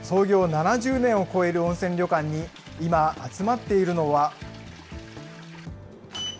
７０年を超える温泉旅館に、今、集まっているのは。